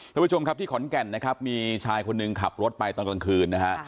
ทุกผู้ชมครับที่ขอนแก่นนะครับมีชายคนหนึ่งขับรถไปตอนกลางคืนนะฮะ